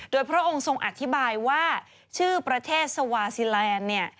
โดยพระองค์ทรงอธิบายว่าชื่อประเทศสวาซีแลนด์เนี่ย